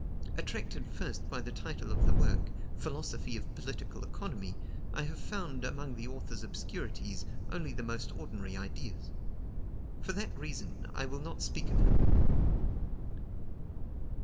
Attracted first by the title of the work, "Philosophy of Political Economy," I have found, among the author's obscurities, only the most ordinary ideas. For that reason I will not speak of him.